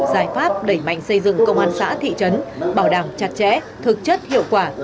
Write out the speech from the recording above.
giải pháp đẩy mạnh xây dựng công an xã thị trấn bảo đảm chặt chẽ thực chất hiệu quả